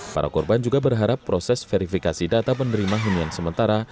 para korban juga berharap proses verifikasi data penerima hunian sementara